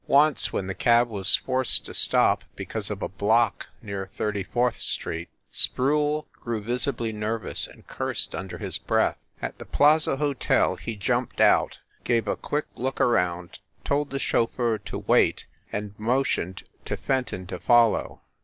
Once, when the cab was forced to Stop because of a block near Thirty fourth Street, Sproule grew visibly nervous, and cursed under his breath. At the Plaza Hotel he jumped out, gave a quick look around, told the chauffeur to wait, and mo tioned to Fenton to follow.